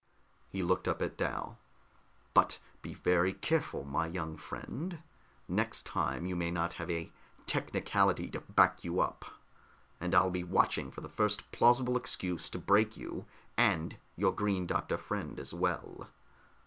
He looked up at Dal. "But be very careful, my young friend. Next time you may not have a technicality to back you up, and I'll be watching for the first plausible excuse to break you, and your Green Doctor friend as well.